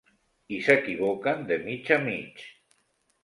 I s'equivoquen de mig a mig.